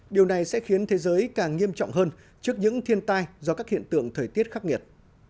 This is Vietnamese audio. điều này sẽ khiến thế giới càng nghiêm trọng hơn trước những thiên tai do các hiện tượng thời tiết khắc nghiệt